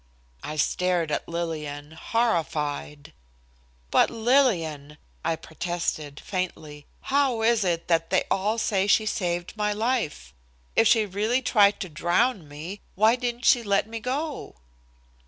I stared at Lillian, horrified. "But Lillian," I protested, faintly, "how is it that they all say she saved my life? If she really tried to drown me why didn't she let me go?"